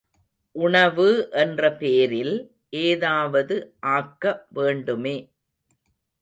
உணவு என்ற பேரில் ஏதாவது ஆக்க வேண்டுமே.